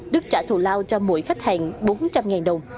đức trả thù lao cho mỗi khách hàng bốn trăm linh đồng